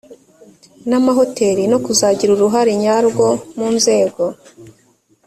n amahoteli no kuzagira uruhare nyarwo mu nzego